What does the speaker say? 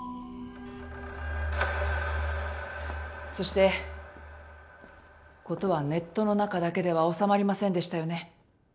そして事はネットの中だけではおさまりませんでしたよね。